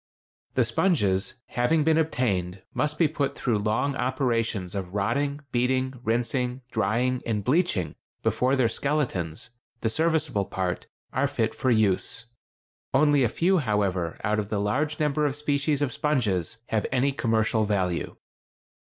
The sponges, having been obtained, must be put through long operations of rotting, beating, rinsing, drying, and bleaching before their skeletons—the serviceable part—are fit for use. Only a few, however, out of the large number of species of sponges have any commercial value.